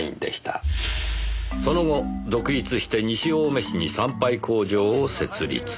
その後独立して西青梅市に産廃工場を設立。